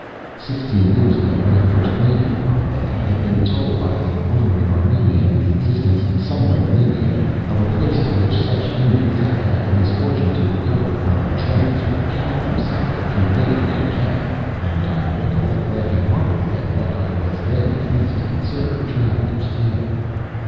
Sixteen years ago, when I first landed in Bombay, I had been told by a wandering Armenian of the existence, somewhere in India, of a place to which such Hindus as had the misfortune to recover from trance or catalepsy were conveyed and kept, and I recollect laughing heartily at what I was then pleased to consider a traveler's tale.